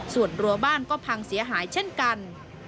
ส่วนรัวบ้านก็พังเสียหายเช่นกัน